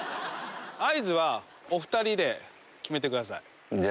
合図はお２人で決めてください。